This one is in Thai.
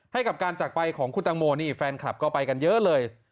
ให้กับการจากไปของคุณตังโมนี่แฟนคลับก็ไปกันเยอะเลย